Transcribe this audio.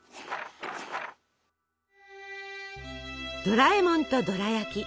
ドラえもんとドラやき。